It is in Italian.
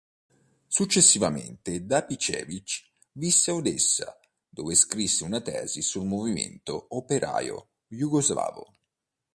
Successivamente Dapčević visse a Odessa, dove scrisse una tesi sul movimento operaio jugoslavo.